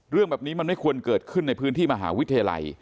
เรื่องแบบนี้มันไม่ควรเกิดขึ้นในพื้นที่มหาวิทยาลัย